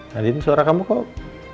nah ini suara kamu kok